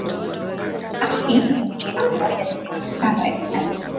aka ni mia moja nukta tano fm